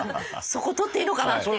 そこ取っていいのかな？っていう。